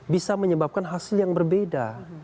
bisa menyebabkan hasil yang berbeda